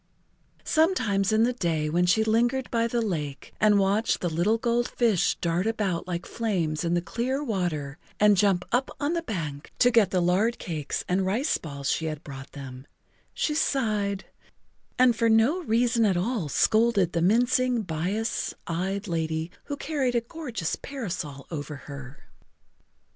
Sometimes in the day when she lingered by the lake and watched the little gold fish dart about like flames in the clear water and jump up on the bank to get the lard cakes and rice balls she had brought them, she sighed, and for no reason at all scolded the mincing, bias eyed lady who carried a gorgeous parasol over her.